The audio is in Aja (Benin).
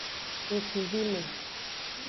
Ngkuvime.